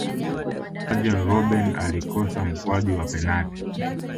arjen robben alikosa mkwaju wa penati